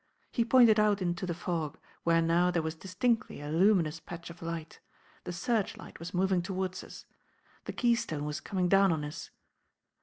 He pointed out into the fog, where now there was distinctly a luminous patch of light: the searchlight was moving towards us. The Keystone was coming down on us.